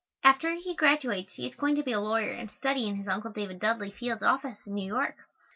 After he graduates he is going to be a lawyer and study in his Uncle David Dudley Field's office in New York.